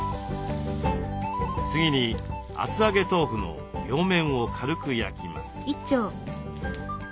次に厚揚げ豆腐の両面を軽く焼きます。